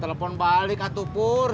telepon balik atu pur